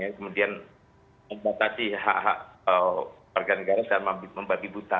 kemudian membatasi hak hak pergantian negara dan membatasi buta